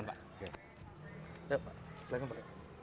ya pak silahkan pak